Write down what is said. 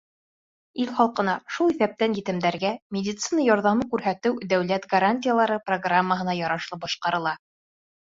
— Ил халҡына, шул иҫәптән етемдәргә, медицина ярҙамы күрһәтеү Дәүләт гарантиялары программаһына ярашлы башҡарыла.